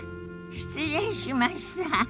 失礼しました。